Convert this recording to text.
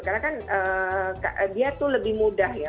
karena kan dia tuh lebih mudah ya